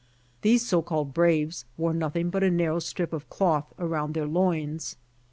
These so called braves wore nothing but a narrow strip of cloth around their loins.